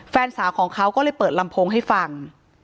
แฟนสาวของเขาก็เลยเปิดลำโพงให้ฟัง